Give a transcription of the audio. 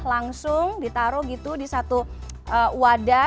langsung ditaruh gitu di satu wadah